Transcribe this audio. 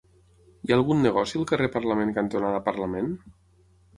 Hi ha algun negoci al carrer Parlament cantonada Parlament?